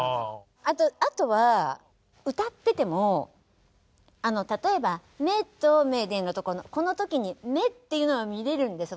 あとは歌っててもあの例えば「目と目で」のところのこの時に「目」っていうのは見れるんです。